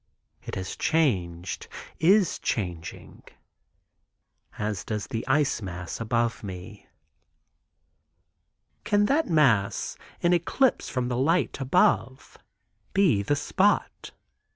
It has changed; is changing, as does the ice mass above me. Can that mass, in eclipse from the light above, be the spot?